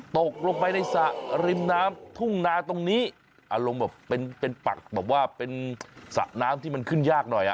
ตกลงไปในสระริมน้ำทุ่งนาตรงนี้อารมณ์แบบเป็นเป็นปักแบบว่าเป็นสระน้ำที่มันขึ้นยากหน่อยอ่ะ